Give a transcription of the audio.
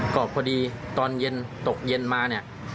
ก็พอดีตอนเย็นตกเย็นมาเนี่ย